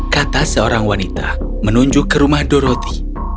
kata seorang wanita menunjuk ke rumah doroti